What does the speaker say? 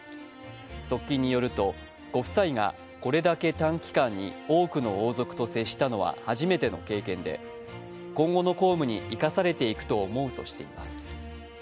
側近によるとご夫妻がこれだけ短期間に多くの王族と接したのは初めての経験で、今後の公務に生かされていくと思うとしています。